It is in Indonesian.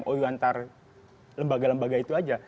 jadi ini mou antar lembaga lembaga itu saja